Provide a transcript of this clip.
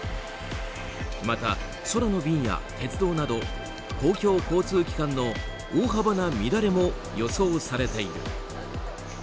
また、空の便や鉄道など公共交通機関の大幅な乱れも予想されている。